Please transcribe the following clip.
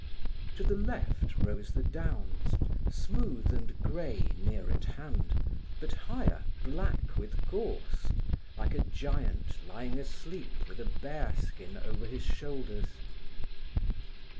To the left rose the downs, smooth and grey near at hand, but higher black with gorse, like a giant lying asleep with a bearskin over his shoulders.